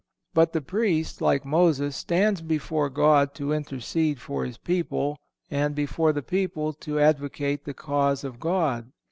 But the Priest, like Moses, stands before God to intercede for His people, and before the people to advocate the cause of God.